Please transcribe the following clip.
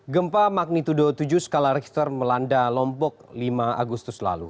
gempa magnitudo tujuh skala richter melanda lombok lima agustus lalu